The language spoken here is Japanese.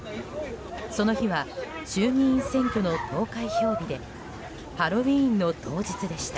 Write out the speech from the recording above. その日は衆議院選挙の投開票日でハロウィーンの当日でした。